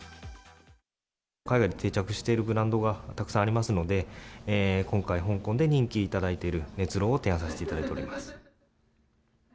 海外で定着しているブランドが、たくさんありますので、今回、香港で人気いただいている、熱浪を提案させていただいております。